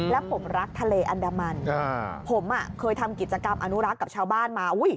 แล้วผมรักทะเลอันดามันผมเคยทำกิจกรรมอนุรักษ์กับชาวบ้านมา